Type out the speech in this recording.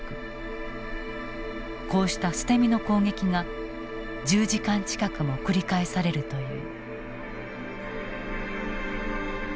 こうした捨て身の攻撃が１０時間近くも繰り返されるという。